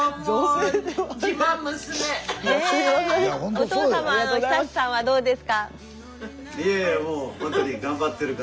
お父様の久さんはどうですか？